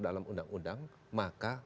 dalam undang undang maka